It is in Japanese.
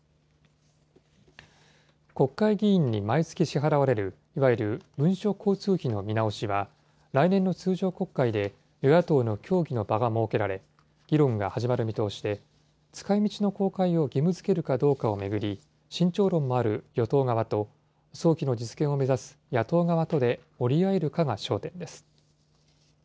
国会議員に毎月支払われる、いわゆる文書交通費の見直しは、来年の通常国会で与野党の協議の場が設けられ、議論が始まる見通しで、使いみちの公開を義務づけるかどうかを巡り、慎重論もある与党側と、早期の実現を目指す野党側とで折り合えるかが焦点です。